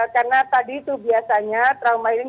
karena tadi itu biasanya trauma healing